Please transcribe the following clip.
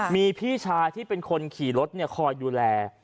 มีพี่ชายที่เป็นคนขี่รถคอยดูแล